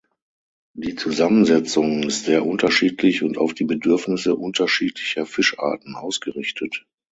Die Zusammensetzung ist sehr unterschiedlich und auf die Bedürfnisse unterschiedlicher Fischarten ausgerichtet.